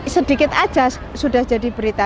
sedikit aja sudah jadi berita